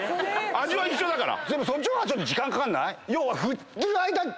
味は一緒だから。